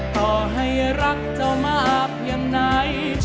ต่อให้รักเจ้ามากเพียงไหน